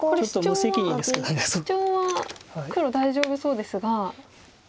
シチョウは黒大丈夫そうですが。